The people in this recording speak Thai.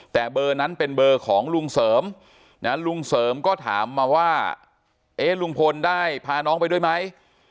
แต่เบอร์นั้นเป็นเบอร์ของลุงเสริมนะลุงเสริมก็ถามมาว่าเอ๊ะลุงพลได้พาน้องไปด้วยไหม